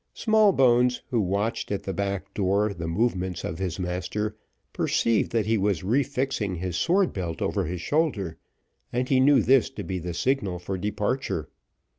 Smallbones, who watched at the back door the movements of his master, perceived that he was refixing his sword belt over his shoulder, and he knew this to be the signal for departure.